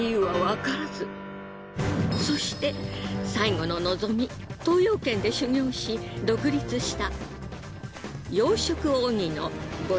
そして最後の望み東洋軒で修業し独立した。